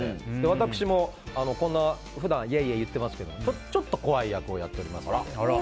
私も、こんな普段はぎゃーぎゃー言っておりますけどちょっと怖い役をやっております。